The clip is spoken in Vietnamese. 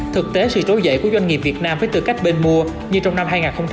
thực tế sự tối dậy của doanh nghiệp việt nam với tư cách bên mua như trong năm hai nghìn hai mươi ba